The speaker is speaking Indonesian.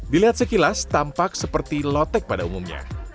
dilihat sekilas tampak seperti lotek pada umumnya